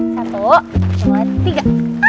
satu dua tiga